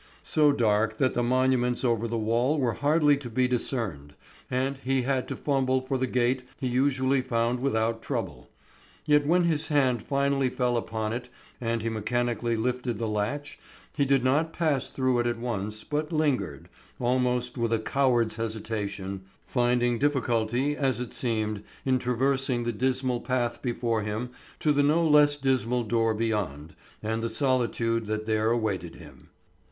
So dark that the monuments over the wall were hardly to be discerned, and he had to fumble for the gate he usually found without trouble. Yet when his hand finally fell upon it and he mechanically lifted the latch he did not pass through at once but lingered, almost with a coward's hesitation, finding difficulty, as it seemed, in traversing the dismal path before him to the no less dismal door beyond and the solitude that there awaited him.